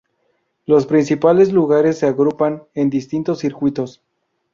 Los principales lugares se agrupan en distintos circuitos.